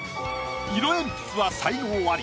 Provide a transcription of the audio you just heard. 色鉛筆は才能アリ。